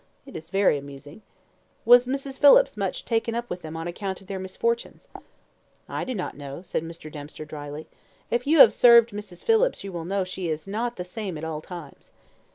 It is very amusing. Was Mrs. Phillips much taken up with them on account of their misfortunes?" "I do not know," said Mr. Dempster, drily. "If you have served Mrs. Phillips you will know that she is not the same at all times."